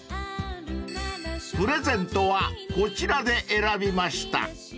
［プレゼントはこちらで選びました］